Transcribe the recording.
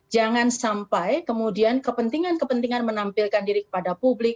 jangan sampai kemudian kepentingan kepentingan menampilkan diri kepada publik